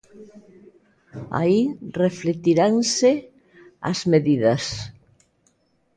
Aí reflectiranse as medidas.